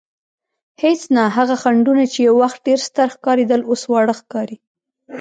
هېڅ نه، هغه خنډونه چې یو وخت ډېر ستر ښکارېدل اوس واړه ښکاري.